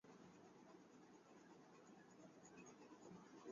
এছাড়াও লন্ডনের কিংস কলেজে তুলনামূলক ধর্ম ও দার্শনিক নৃতত্ত্ব নিয়ে গবেষণা করেছেন তিনি।